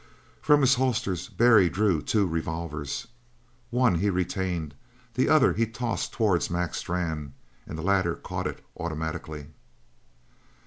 From his holsters Barry drew two revolvers. One he retained; the other he tossed towards Mac Strann, and the latter caught it automatically.